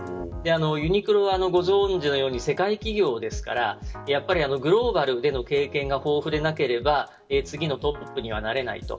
ユニクロはご存じのように世界企業ですからグローバルでの経験が豊富でなければ次のトップにはなれない。